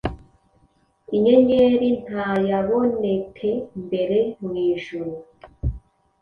Inyenyeri, ntayabonete mbere mwijuru